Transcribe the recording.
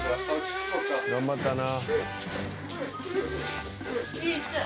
「頑張ったな」